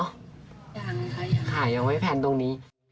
ค่ะยังไม่แพนตรงนี้